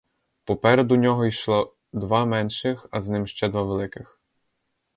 Попереду нього йшло два менших, а за ним ще два великих.